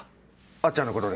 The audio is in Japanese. あっちゃんのことで？